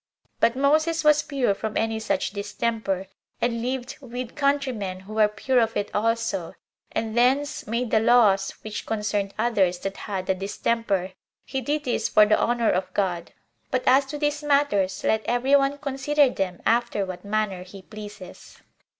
But Moses was pure from any such distemper, and lived with countrymen who were pure of it also, and thence made the laws which concerned others that had the distemper. He did this for the honor of God. But as to these matters, let every one consider them after what manner he pleases.